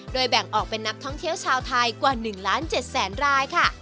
แบ่งออกเป็นนักท่องเที่ยวชาวไทยกว่า๑ล้าน๗แสนรายค่ะ